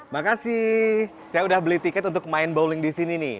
makasih saya udah beli tiket untuk main bowling di sini nih